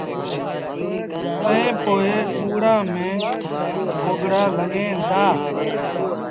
ائيٚݩ پو ٻُوڙآݩ ميݩ گوگڙآ لڳيٚن دآ